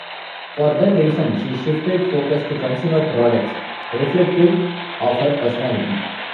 For that reason, she shifted focus to consumer products reflective of her personality.